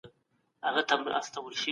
هغوی په ډېر لېوالتیا سره خپل کار پیل کړ.